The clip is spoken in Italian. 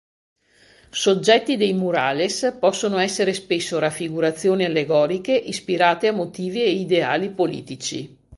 Soggetti dei murales possono essere spesso raffigurazioni allegoriche ispirate a motivi e ideali politici.